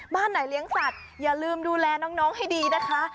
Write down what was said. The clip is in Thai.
บ้านไหนเลี้ยงสัตว์อย่าลืมดูแลน้องให้ดีนะคะ